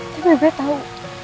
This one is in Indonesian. tapi gue tau